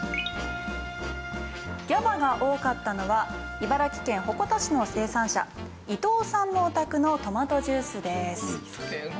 ＧＡＢＡが多かったのは茨城県鉾田市の生産者伊藤さんのお宅のトマトジュースです。